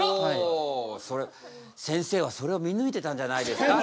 せんせいはそれを見抜いてたんじゃないですか？